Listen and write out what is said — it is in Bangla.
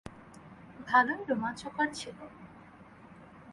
ভালোই রোমাঞ্চকর ছিল।